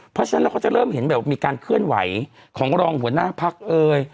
เพราะฉะนั้นเราก็จะเริ่มเห็นแบบมีการเคลื่อนไหวของรองหัวหน้าพักเอ่ย